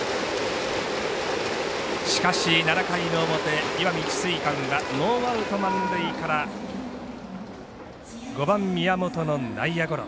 しかし、７回の表、石見智翠館はノーアウト満塁から５番、宮本の内野ゴロ。